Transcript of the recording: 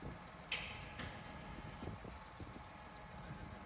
Zalesněná úbočí Bílého potoka se nalézají ve dvou stupních lesních pásem.